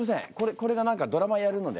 これが何かドラマやるので。